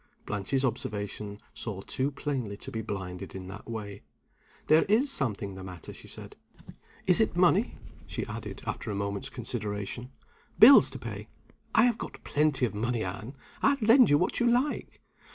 Blanche's observation saw too plainly to be blinded in that way. "There is something the matter," she said. "Is it money?" she added, after a moment's consideration. "Bills to pay? I have got plenty of money, Anne. I'll lend you what you like."